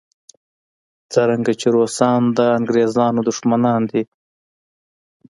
څرنګه چې روسان د انګریزانو دښمنان دي.